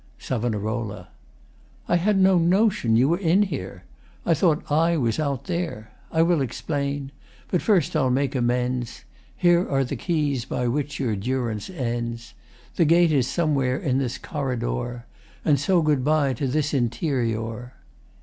SAV. I had no notion You were in here. I thought I was out there. I will explain but first I'll make amends. Here are the keys by which your durance ends. The gate is somewhere in this corridor, And so good bye to this interior!